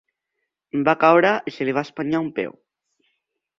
Va caure i se li va espenyar un peu.